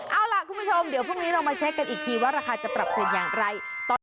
เอาล่ะคุณผู้ชมเดี๋ยวพรุ่งนี้เรามาเช็คกันอีกทีว่าราคาจะปรับเปลี่ยนอย่างไร